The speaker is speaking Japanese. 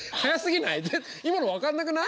今の分かんなくない？